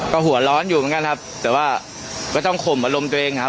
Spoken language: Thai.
ก็หัวร้อนอยู่เหมือนกันครับแต่ว่าก็ต้องข่มอารมณ์ตัวเองครับ